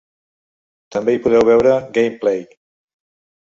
També hi podeu veure: Gameplay.